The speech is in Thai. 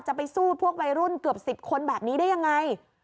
จะไปสู้พวกวัยรุ่นเกือบ๑๐คนแบบนี้ได้ยังไง